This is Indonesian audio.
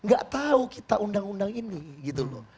gak tahu kita undang undang ini gitu loh